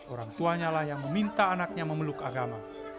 orang tuanya lah yang meminta anaknya memeluk agama